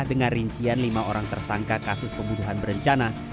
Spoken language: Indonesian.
dengan rincian lima orang tersangka kasus pembunuhan berencana